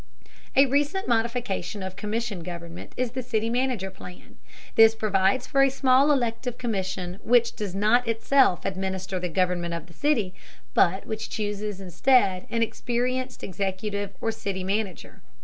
A recent modification of commission government is the city manager plan. This provides for a small elective commission, which does not itself administer the government of the city, but which chooses, instead, an experienced executive or city manager.